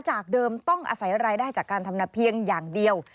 จากเดิมต้องอาศัยรายได้จากการทำนาเพียงอย่างเดียว